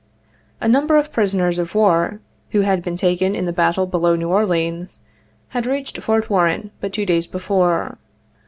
A number of prisoners of war, who had been taken in the battle below New Orleans, had reached Fort Warren but two days be fore.